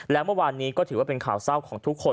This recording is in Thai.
และเมื่อวานนี้ก็ถือว่าเป็นข่าวเศร้าของทุกคน